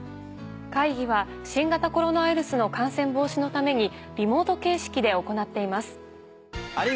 会議は新型コロナウイルスの感染防止のためにリモート形式で行っています。